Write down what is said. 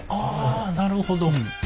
あなるほど。